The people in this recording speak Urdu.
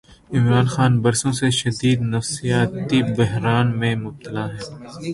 عمران خان برسوں سے شدید نفسیاتی بحران میں مبتلا ہیں۔